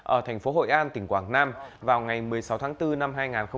ở thành phố hội an tỉnh quảng nam vào ngày một mươi sáu tháng bốn năm hai nghìn hai mươi